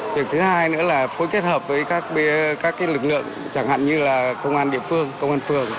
việc thứ hai nữa là phối kết hợp với các lực lượng chẳng hạn như là công an địa phương công an phường